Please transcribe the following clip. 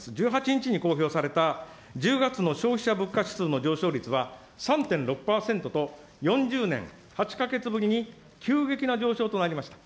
１８日に公表された１０月の消費者物価指数の上昇率は、３．６％と４０年８か月ぶりに急激な上昇となりました。